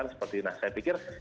seperti itu saya pikir